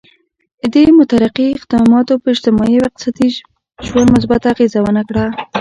دې مترقي اقداماتو پر اجتماعي او اقتصادي ژوند مثبته اغېزه ونه کړه.